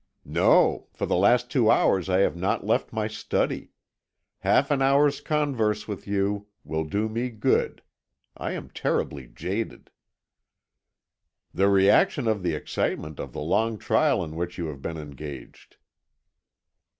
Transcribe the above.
"No; for the last two hours I have not left my study. Half an hour's converse with you will do me good. I am terribly jaded." "The reaction of the excitement of the long trial in which you have been engaged."